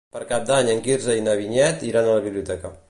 Per Cap d'Any en Quirze i na Vinyet iran a la biblioteca.